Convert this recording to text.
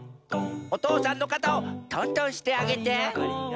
おとうさんのかたをとんとんしてあげて。